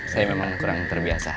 saya memang kurang terbiasa